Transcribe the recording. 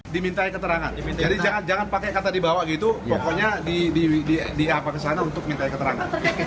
dimintai keterangan jadi jangan pakai kata dibawa gitu pokoknya diapa kesana untuk minta keterangan